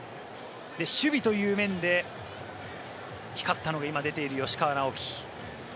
で、守備という面で光ったのが今、出ている吉川尚輝。